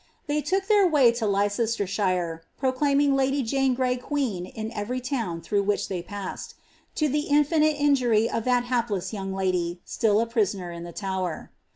They took their way to Leicestershire, pro claiming lady Jane Gray queen in ever}' town through which they passed,' to the infinite injury of that hapless young lady, still a prisoner in the Tower.